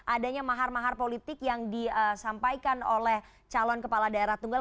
adanya mahar mahar politik yang disampaikan oleh calon kepala daerah tunggal